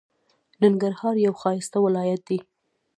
ننګرهار یو ښایسته ولایت دی.